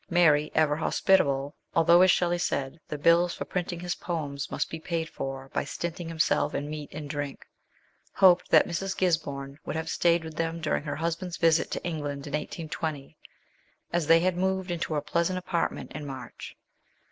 Mary, ever hospitable, although, as Shelley said, the bills for printing his poems must be paid for by stinting himself in meat and drink, hoped that Mrs. Gisborne GODWIN AND " VALPERGA." 145 would have stayed with them during her husband's visit to England in 1820, as they had moved into a pleasant apartment in March.